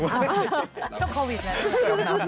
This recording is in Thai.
ชอบโควิดนะ